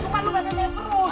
cuman lu pesennya terus